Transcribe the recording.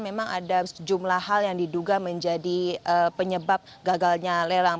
memang ada sejumlah hal yang diduga menjadi penyebab gagalnya lelang